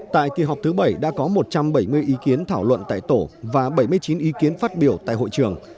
tại kỳ họp thứ bảy đã có một trăm bảy mươi ý kiến thảo luận tại tổ và bảy mươi chín ý kiến phát biểu tại hội trường